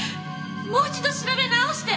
もう一度調べ直して！